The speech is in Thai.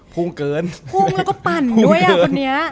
พุ่งเกินพุ่งแล้วก็ปั่นด้วยอ่ะคนนี้